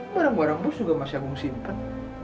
barang barang bos juga masih aku simpen